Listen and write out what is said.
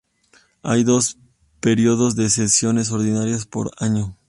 Hay dos periodos de sesiones ordinarias por año.